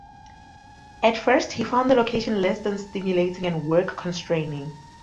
At first, he found the location less than stimulating and work constraining.